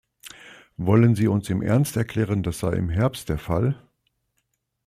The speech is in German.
Wollen Sie uns im Ernst erklären, das sei im Herbst der Fall?